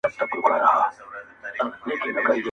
بزګر وویل غویی چي ستړی کېږي -